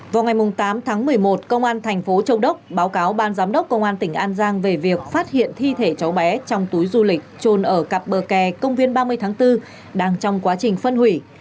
vào ngày tám tháng một mươi một công an thành phố châu đốc báo cáo ban giám đốc công an tỉnh an giang về việc phát hiện thi thể cháu bé trong túi du lịch trôn ở cặp bờ kè công viên ba mươi tháng bốn đang trong quá trình phân hủy